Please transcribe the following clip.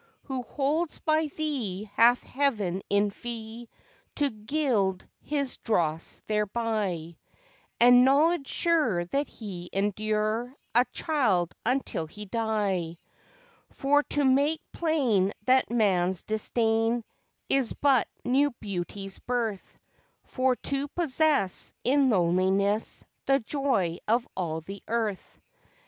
Who holds by Thee hath Heaven in fee To gild his dross thereby, And knowledge sure that he endure A child until he die For to make plain that man's disdain Is but new Beauty's birth For to possess, in loneliness, The joy of all the earth.